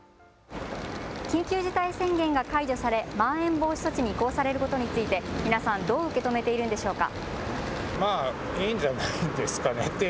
緊急事態宣言が解除されまん延防止措置に移行されることについて皆さんどう受け止めているんでしょうか。